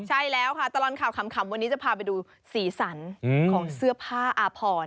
ใช่แล้วค่ะตลอดข่าวขำวันนี้จะพาไปดูสีสันของเสื้อผ้าอาพร